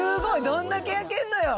どんだけ焼けんのよ。